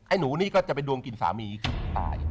ไอ้หนูนี่ก็จะไปดวงกินสามีขึ้นตาย